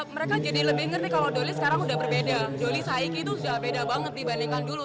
mereka jadi lebih ngerti kalau doli sekarang udah berbeda doli saiki itu sudah beda banget dibandingkan dulu